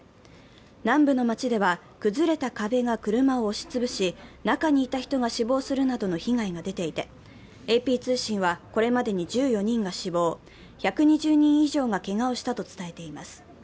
南部の街では崩れた壁が車を押し潰し中にいた人が死亡するなどの被害が出ていて、ＡＰ通信は、これまでに１４人が死亡、１２０人以上がけがをしたと伝えています。